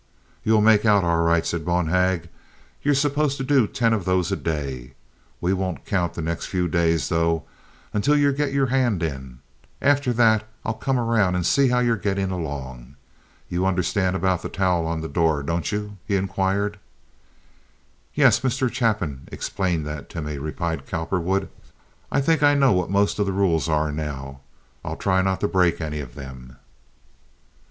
"You'll make out all right," said Bonhag. "You're supposed to do ten of those a day. We won't count the next few days, though, until you get your hand in. After that I'll come around and see how you're getting along. You understand about the towel on the door, don't you?" he inquired. "Yes, Mr. Chapin explained that to me," replied Cowperwood. "I think I know what most of the rules are now. I'll try not to break any of them."